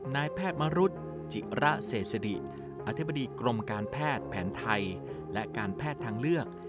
นายแพทย์มรุษจิระเศษิอธิบดีกรมการแพทย์แผนไทยและการแพทย์ทางเลือก